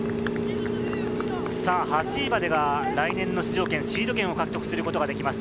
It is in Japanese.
８位までが来年の出場権、シード権を獲得することができます。